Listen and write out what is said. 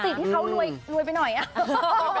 สิทธิ์ที่เขารวยรวยไปหน่อยอ่ะ